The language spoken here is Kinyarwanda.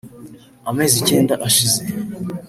Amezi icyenda ashize